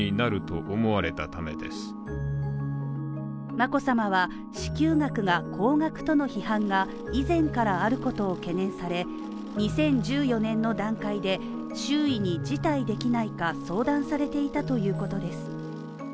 眞子さまは、支給額が高額との批判が以前からあることを懸念され、２０１４年の段階で周囲に辞退できないか相談されていたということです。